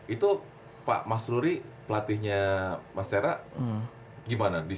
itu pak mas luri pelatihnya mas tera gimana